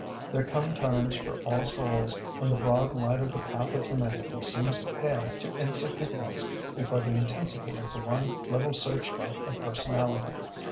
There come times for all souls when the broad light of the path of humanity seems to pale to insignificance before the intensity of the one little search light of personality.